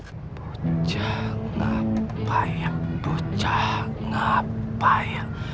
bucah ngapain bucah ngapain